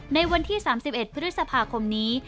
ในวันที่๓๑พฤษภาคมนี้